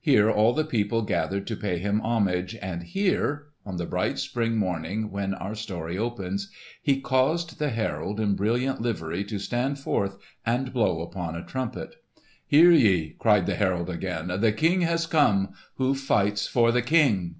Here all the people gathered to pay him homage, and here—on the bright spring morning when our story opens—he caused the herald in brilliant livery to stand forth and blow upon a trumpet. "Hear ye!" cried the herald again. "The King has come! Who fights for the King?"